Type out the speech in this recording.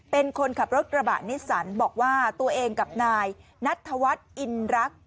เป็นคนขับรถกระบะนิสสันบอกว่าตัวเองกับนายนัทธวัฒน์อินรัก